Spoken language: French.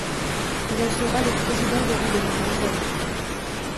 Il en sera le président durant de nombreuses années.